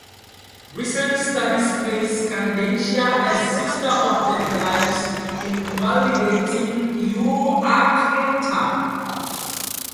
Recent studies place Scandentia as sister of the Glires, invalidating Euarchonta.